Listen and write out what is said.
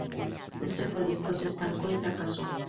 Este proyecto se estancó y fracasó.